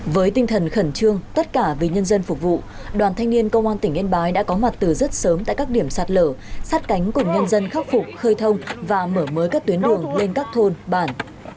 với tinh thần khẩn trương tất cả vì nhân dân phục vụ đoàn thanh niên công an tỉnh yên bái đã có mặt từ rất sớm tại các điểm sạt lở sát cánh cùng nhân dân khắc phục khơi thông và mở mới các tuyến đường lên các thôn bản